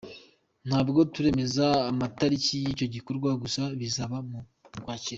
Ntabwo turemeza amatariki y’icyo gikorwa gusa bizaba mu Ukwakira.